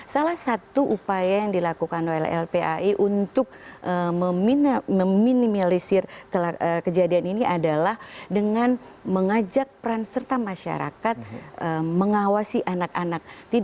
salah satu upaya yang dilakukan oleh lpai untuk meminimalisir kejadian ini adalah dengan mengajak peran serta masyarakat mengawasi anak anak